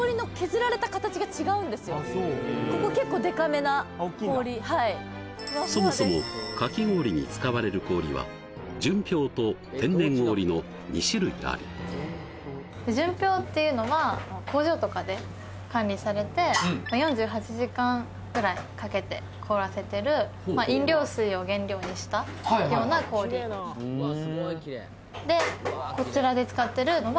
ここ結構でかめな氷そもそもかき氷に使われる氷は純氷と天然氷の２種類あり４８時間くらいかけて凍らせてる飲料水を原料にしたような氷でこちらで使ってるのは